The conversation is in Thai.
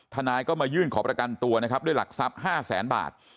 ทนายก็มายื่นขอประกันตัวนะครับด้วยหลักทรัพย์๕แสนบาท